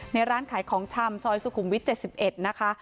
ในร้านขายของชำซอยสุขุมวิทย์เจ็ดสิบเอ็ดนะคะ